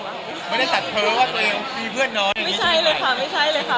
ไม่ใช่เลยค่ะไม่ใช่เลยค่ะ